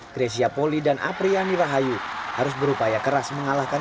grecia poli dan apriani rahayu harus berupaya keras mengalahkan